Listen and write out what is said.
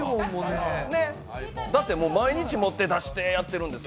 だってもう、毎日持って出してってやってるんですよ。